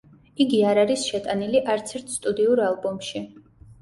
იგი არ არის შეტანილი არც ერთ სტუდიურ ალბომში.